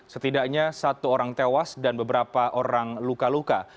setidaknya satu orang tewas dan beberapa orang luka luka